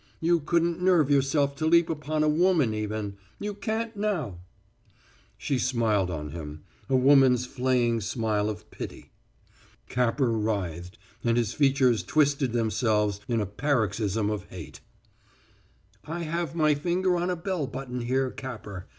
You couldn't nerve yourself to leap upon a woman even. You can't now." She smiled on him a woman's flaying smile of pity. Capper writhed, and his features twisted themselves in a paroxysm of hate. "I have my finger on a bell button here, Capper.